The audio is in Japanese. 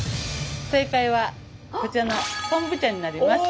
正解はこちらの昆布茶になります。